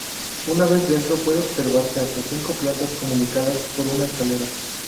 Una vez dentro pueden observarse hasta cinco plantas comunicadas por una escalera.